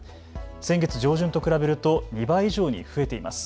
先月上旬と比べると２倍以上に増えています。